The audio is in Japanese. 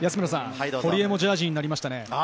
堀江もジャージーになりました。